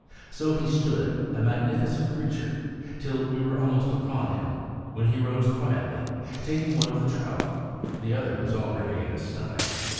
So he stood, a magnificent creature, till we were almost upon him, when he rose quietly, taking one of the trout. The other was already in his stomach.